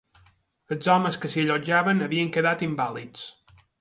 Els homes que s'hi allotjaven havien quedat invàlids